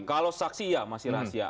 kalau saksi ya masih rahasia